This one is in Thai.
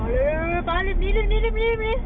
เริ่ม